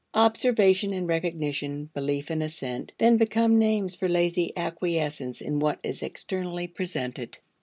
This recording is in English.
Observation and recognition, belief and assent, then become names for lazy acquiescence in what is externally presented.